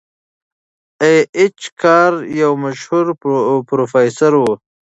ای اېچ کار یو مشهور پروفیسور و.